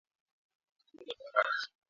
Kuoza kwa haraka